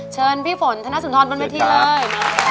เชิญพี่ฝนธนสุนทรบนเวทีเลย